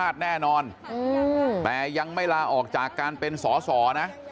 แต่ยังไม่ลาออกจากการเป็นสอสอนะ